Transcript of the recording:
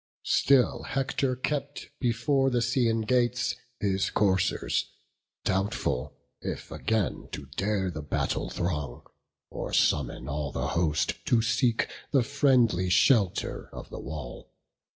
Still Hector kept before the Scaean gates His coursers; doubtful, if again to dare The battle throng, or summon all the host To seek the friendly shelter of the wall.